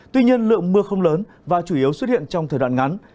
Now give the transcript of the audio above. tuy nhiên lượng mưa không lớn và chủ yếu xuất hiện trong thời đoạn ngắn